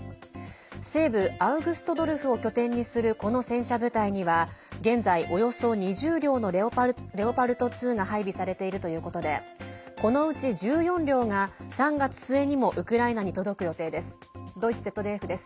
西部アウグストドルフを拠点にする、この戦車部隊には現在、およそ２０両のレオパルト２が配備されているということでこのうち１４両が３月末にもウクライナに届く予定です。